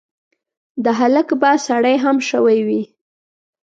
د هلک به سړې هم شوي وي.